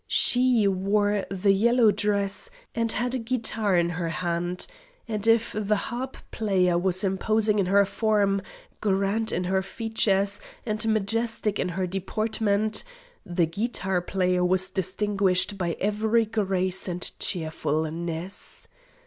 She wore the yellow dress, and had a guitar in her hand; and if the harp player was imposing in her form, grand in her features, and majestic in her deportment, the guitar player was distinguished by every grace and cheerfulness.